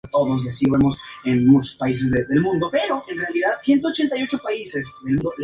Su artista favorito y gran influencia es Giotto.